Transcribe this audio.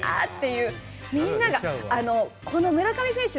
みんながこの村上選手